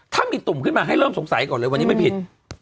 ถ้ามีตุ่มขึ้นมาให้เริ่มสงสัยก่อนเลยวันนี้ไม่ผิด